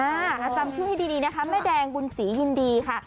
จำชื่อให้ดีนะคะแม่แดงบุญศรียินดีค่ะ